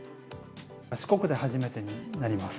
四国で初めてになります。